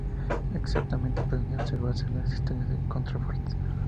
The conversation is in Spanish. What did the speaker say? Externamente puede observarse la existencia de contrafuertes.